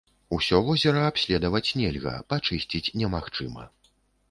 Усё возера абследаваць нельга, пачысціць немагчыма.